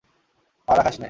মারা, খাসনে!